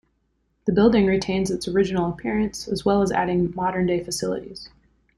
The building retains its original appearance as well as adding modern-day facilities.